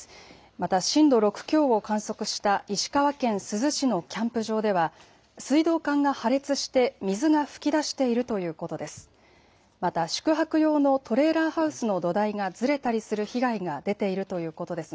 また震度６強を観測した石川県珠洲市のキャンプ場では水道管が破裂して水が噴き出しているということです。